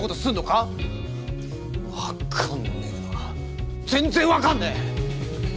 わかんねえわ全然わかんねえ！